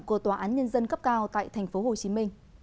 của tòa án nhân dân cấp cao tại tp hcm